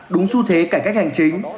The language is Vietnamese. đúng xu thế cải cách hành chính